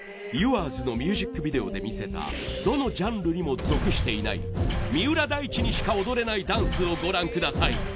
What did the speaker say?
『Ｙｏｕｒｓ』のミュージックビデオで見せたどのジャンルにも属していない三浦大知にしか踊れないダンスをご覧ください。